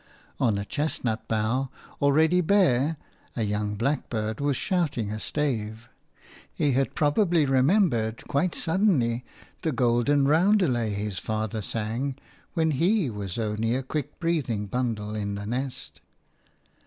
On a chestnut bough, already bare, a young blackbird was shouting a stave. He had probably remembered quite suddenly the golden roundelay his father sang when he was only a quick breathing bundle in the nest.